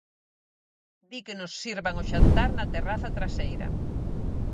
Di que nos sirvan o xantar na terraza traseira.